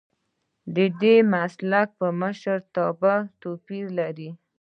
ددې مسلک مشرتابه توپیر لري.